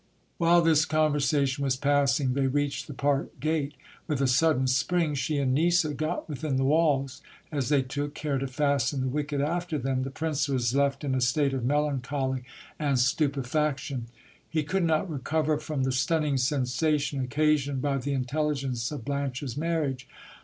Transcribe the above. While this conversation was passing, they reached the park gate. With a sudden spring she and Nisa got within the walls. As they took care to fasten the wicket after them, the prince was left in a state of melancholy and stupe faction. He could not recover from the stunning sensation, occasioned by the intelligence of Blanche's marriage.